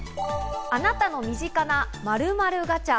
あなたの身近な○○ガチャ。